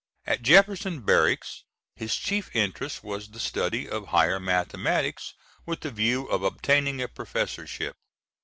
At Jefferson Barracks his chief interest was the study of higher mathematics with the view of obtaining a professorship.